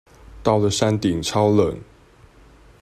到了山頂超冷